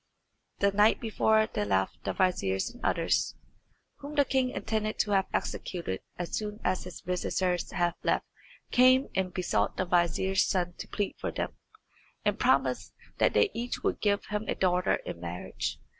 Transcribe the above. The night before they left the viziers and others, whom the king intended to have executed as soon as his visitors had left, came and besought the vizier's son to plead for them, and promised that they each would give him a daughter in marriage.